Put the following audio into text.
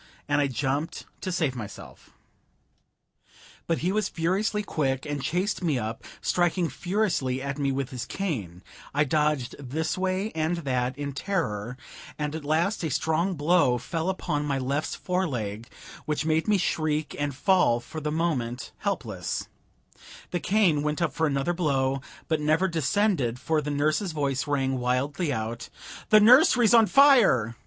and I jumped to save myself; but he was furiously quick, and chased me up, striking furiously at me with his cane, I dodging this way and that, in terror, and at last a strong blow fell upon my left foreleg, which made me shriek and fall, for the moment, helpless; the cane went up for another blow, but never descended, for the nurse's voice rang wildly out, "The nursery's on fire!"